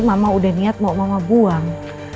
mama udah niat mau mama buang